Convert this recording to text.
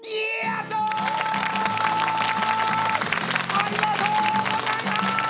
ありがとうございます！